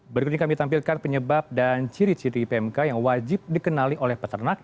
berikutnya kami tampilkan penyebab dan ciri ciri pmk yang wajib dikenali oleh peternak